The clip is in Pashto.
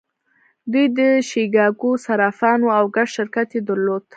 دوی د شیکاګو صرافان وو او ګډ شرکت یې درلود